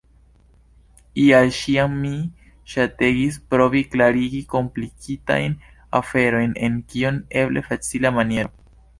Ial ĉiam mi ŝategis provi klarigi komplikitajn aferojn en kiom eble facila maniero.